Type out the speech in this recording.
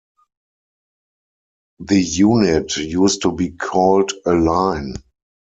The unit used to be called a "line".